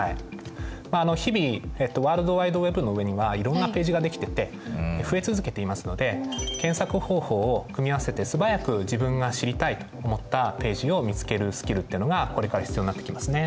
日々ワールドワイドＷｅｂの上にはいろんなページが出来てて増え続けていますので検索方法を組み合わせて素早く自分が知りたいと思ったページを見つけるスキルってのがこれから必要になってきますね。